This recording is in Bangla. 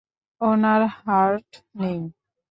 উনার হার্ট নেই।